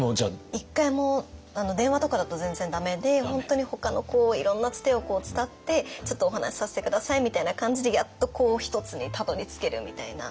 １回も電話とかだと全然駄目で本当にほかのいろんなつてを伝って「ちょっとお話しさせて下さい」みたいな感じでやっと一つにたどりつけるみたいな。